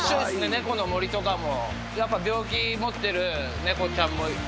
猫の森とかも。